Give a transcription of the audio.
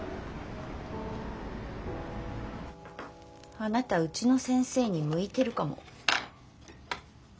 あなたうちの先生に向いてるかも。